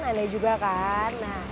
anda juga kan